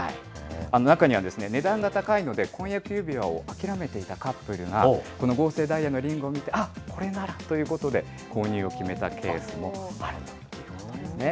中には値段が高いので、婚約指輪を諦めていたカップルが、この合成ダイヤのリングを見て、あっ、これならということで、購入を決めたケースもあるんだそうですね。